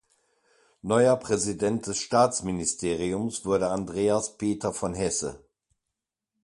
Neuer Präsident des Staatsministeriums wurde Andreas Peter von Hesse.